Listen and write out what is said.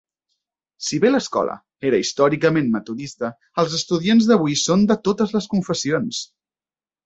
Si bé l'escola era històricament metodista, els estudiants d'avui són de totes les confessions.